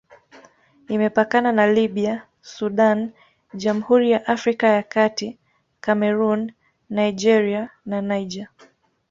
Imepakana na Libya, Sudan, Jamhuri ya Afrika ya Kati, Kamerun, Nigeria na Niger.